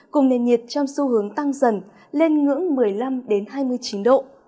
cùng nền nhiệt trong xu hướng tăng dần lên ngưỡng một mươi năm hai mươi chín độ